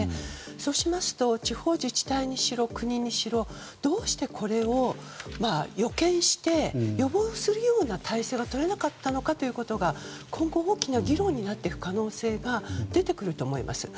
そうしますと地方自治体にしろ国にしろどうして、これを予見して予防するような態勢がとれなかったのかということが今後、大きな議論になっていく可能性が出てくると思います。